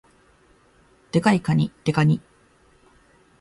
デカいかに、デカニ